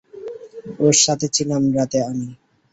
ওর সাথে ছিলাম রাতে আমি।